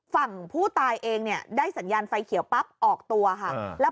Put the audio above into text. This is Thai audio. ฝั่งผู้ตายเองเนี่ยได้สัญญาณไฟเขียวปั๊บออกตัวค่ะ